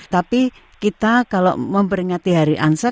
tapi kita kalau memperingati hari ansat